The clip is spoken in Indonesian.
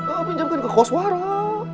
a pinjamkan ke kos warang